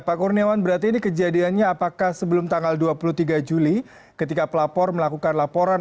pak kurniawan berarti ini kejadiannya apakah sebelum tanggal dua puluh tiga juli ketika pelapor melakukan laporan